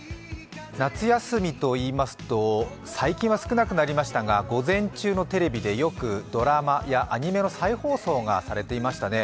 夏休みといいますと最近は少なくなりましたが午前中のテレビでよくドラマやアニメの再放送がされていましたね。